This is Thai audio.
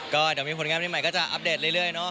ก็เดี๋ยวมีผลงานใหม่ก็จะอัปเดตเรื่อยเนาะ